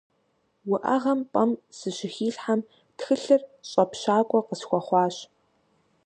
УӀэгъэм пӀэм сыщыхилъхьэм, тхылъыр щӀэпщакӀуэ къысхуэхъуащ.